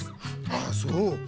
ああそう。